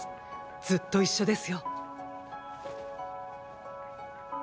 ずっと一緒ですよ。